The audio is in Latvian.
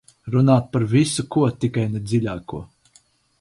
Runāt par visu ko, tikai ne dziļāko.